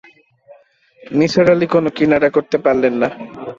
নিসার আলি কোনো কিনারা করতে পারলেন না।